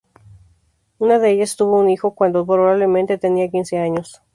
Una de ellas tuvo un hijo cuando probablemente tenía quince años.